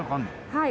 はい。